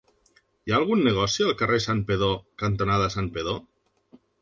Hi ha algun negoci al carrer Santpedor cantonada Santpedor?